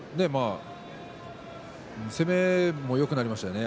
攻めもよくなりましたね。